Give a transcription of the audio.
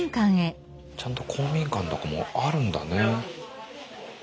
ちゃんと公民館とかもあるんだね。